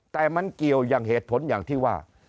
แต่มันเกี่ยวอย่างเหตุผลอย่างที่ว่า